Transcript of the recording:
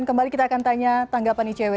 kembali kita akan tanya tanggapan icw